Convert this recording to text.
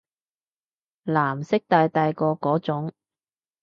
藍色大大個嗰種